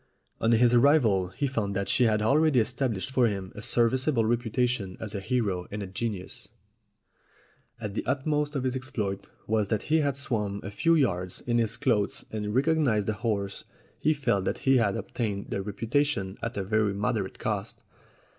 On his arrival he found that she had already estab lished for him a serviceable reputation as a hero and a genius. As the utmost of his exploit was that he had swum a few yards in his clothes and recognized a horse, he felt that he had obtained the reputation at a very moderate cost.